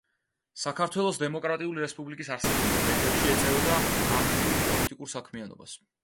საქართველოს დემოკრატიული რესპუბლიკის არსებობის პერიოდში ეწეოდა აქტიურ პოლიტიკურ საქმიანობას.